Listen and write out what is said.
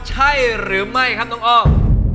ใช่หรือไม่ครับน้องอ้อม